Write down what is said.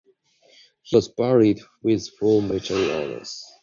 He was buried with full military honours.